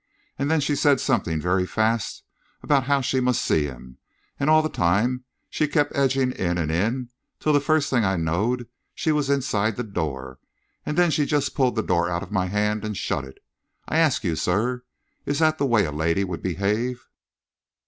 And then she said something very fast about how she must see him, and all the time she kept edging in and in, till the first thing I knowed she was inside the door, and then she just pulled the door out of my hand and shut it. I ask you, sir, is that the way a lady would behave?"